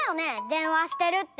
でんわしてるって。